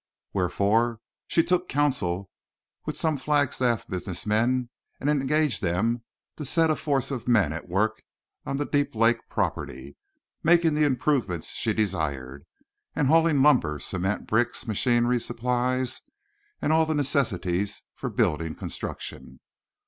Wherefore she took council with some Flagstaff business men and engaged them to set a force of men at work on the Deep Lake property, making the improvements she desired, and hauling lumber, cement, bricks, machinery, supplies—all the necessaries for building construction.